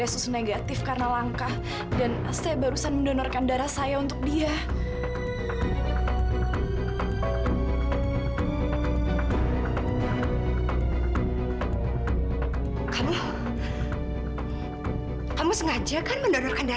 siapapun yang akan membantu dan menyelamatkan nyawanya